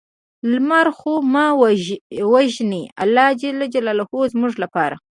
لمر خو مه وژنې الله ج زموږ لپاره